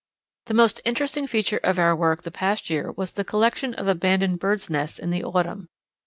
"The most interesting feature of our work the past year was the collection of abandoned birds' nests in the autumn.